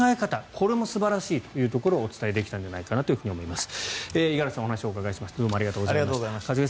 これも素晴らしいというところをお伝えできたんじゃないかなと思います。